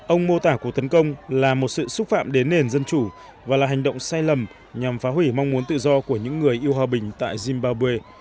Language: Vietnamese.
ông mô tả cuộc tấn công là một sự xúc phạm đến nền dân chủ và là hành động sai lầm nhằm phá hủy mong muốn tự do của những người yêu hòa bình tại zimbabwe